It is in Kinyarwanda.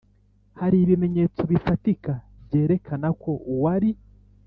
hari ibimenyetso bifatika byerekana ko uwari